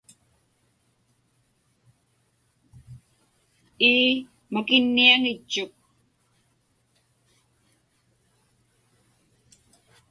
Ii, makinniaŋitchuk.